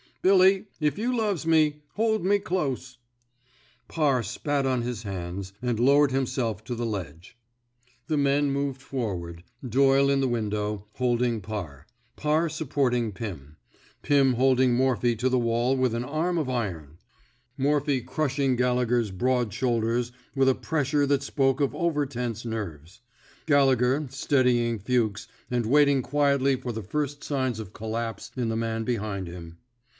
Billy, if you loves me, hold me close." Parr spat on his hands, and lowered him self to the ledge. The men moved forward — Doyle in the window, holding Parr; Parr supporting Pim; Pim holding Morphy to the 27 THE SMOKE EATERS wall with an arm of iron; Morphy crush ing Gallegher's broad shoulders with a pressure that spoke of overtense nerves; Gallegher, steadying Fuchs, and waiting quietly for the first signs of collapse in the man behind him.